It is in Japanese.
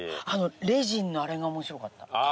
レジンのあれが面白かった。